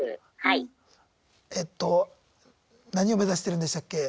えっと何を目指してるんでしたっけ？